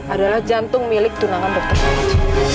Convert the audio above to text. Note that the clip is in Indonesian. adalah jantung milik tunangan dokter agus